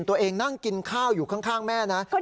ตัวเองนั่งกินข้าวอยู่ข้างแม่นะ